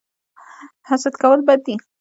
حسد کول بد دي